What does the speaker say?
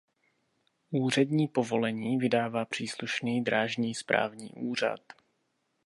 Úřední povolení vydává příslušný drážní správní úřad.